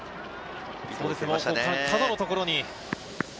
角のところに。